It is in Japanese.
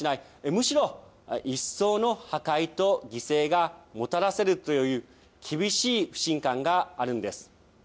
むしろ、一層の破壊と犠牲がもたらされるという厳しい不信感があるんです。